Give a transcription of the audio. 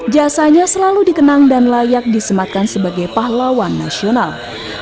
jasanya selalu dikenang dan layak disematkan sebagai pahlawan nasional